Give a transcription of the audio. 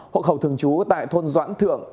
hộ khẩu thường trú tại thôn doãn thượng